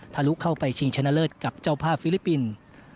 ทะลุเข้าไปชิงชนะเลิศกับเจ้าภาพฟิลิปปินส์